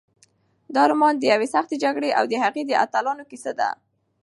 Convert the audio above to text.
دا رومان د یوې سختې جګړې او د هغې د اتلانو کیسه ده.